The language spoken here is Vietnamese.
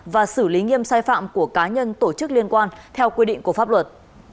và xử lý nghiêm sai phạm của cá nhân tổ chức liên quan theo quy định của pháp luật